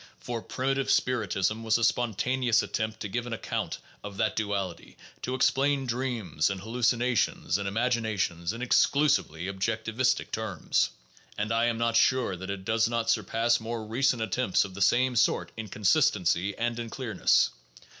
For primitive spiritism was a spon taneous attempt to give an account of that duality, to explain dreams and hallucinations and imaginations, in exclusively objec tivistic terms. And I am not sure that it does not surpass more re cent attempts of the same sort in consistency and in clearness.